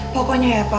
pokoknya ya pak